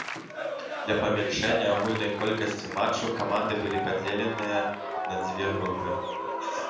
Для памяншэння агульнай колькасці матчаў каманды былі падзеленыя на дзве групы.